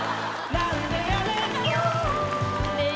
「何でやねん」